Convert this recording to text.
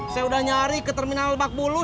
saya udah nyari ke terminal bakbulu